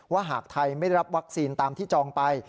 หากไทยไม่รับวัคซีนตามที่จองไป